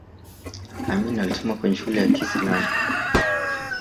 amin alisoma kwenye shule ya kiislamu